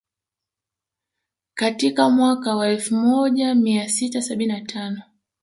Katika mweaka wa elfu moja mia sita sabini na tano